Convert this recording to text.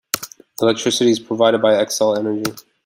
Electricity is provided by Xcel Energy.